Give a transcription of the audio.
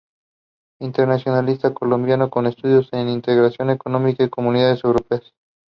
The company is wholly owned by the West Coast Electric Power Trust.